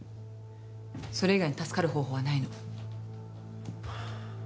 それ以外に助かる方法はないの。